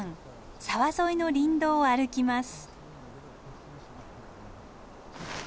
沢沿いの林道を歩きます。